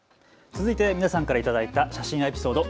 続いて皆さんから頂いた写真やエピソード、＃